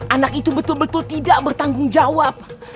anak itu betul betul tidak bertanggung jawab